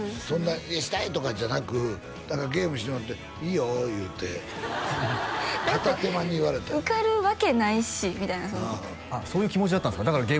そんなしたいとかじゃなく何かゲームしよっていいよいうて片手間に言われたいうてだって受かるわけないしみたいなそのそういう気持ちだったんですか？